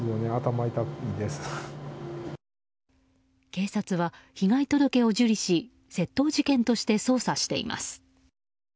警察は被害届を受理し窃盗事件として捜査しています。